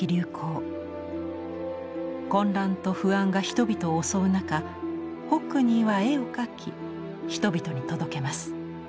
混乱と不安が人々を襲う中ホックニーは絵を描き人々に届けます。